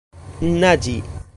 naĝi